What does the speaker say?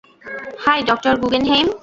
High, ডঃ Guggenheim.